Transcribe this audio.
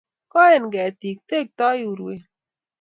Koen ketik, tektoi urwet